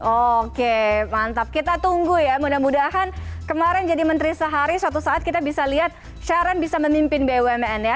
oke mantap kita tunggu ya mudah mudahan kemarin jadi menteri sehari suatu saat kita bisa lihat sharon bisa memimpin bumn ya